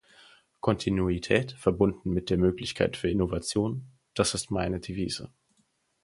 Kontinuität verbunden mit der Möglichkeit für Innovation, das ist meine Devise.